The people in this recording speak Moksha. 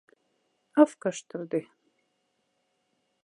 Аф кашторды.